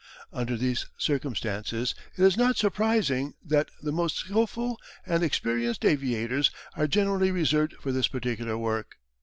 Under these circumstances it is not surprising that the most skilful and experienced aviators are generally reserved for this particular work.